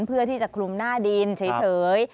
เพื่อที่จะคลุมหน้าดินเฉย